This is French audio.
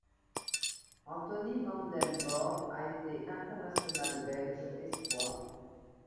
Anthony Vanden Borre a été international belge espoir.